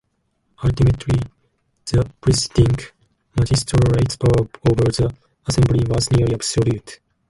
Ultimately, the presiding magistrate's power over the assembly was nearly absolute.